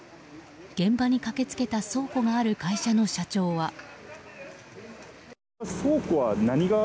現場に駆けつけた倉庫がある会社の社長は。